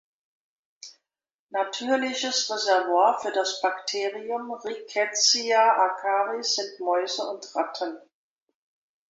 Natürliches Reservoir für das Bakterium "Rickettsia akari" sind Mäuse und Ratten.